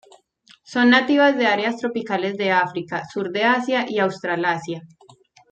Son nativas de áreas tropicales de África, sur de Asia y Australasia.